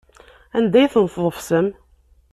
Anda ay ten-tḍefsem?